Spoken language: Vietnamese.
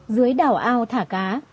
dưới đảo ao thả cá